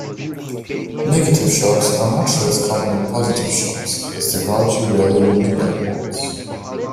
Negative shocks are much less common than positive shocks as technology rarely moves backwards.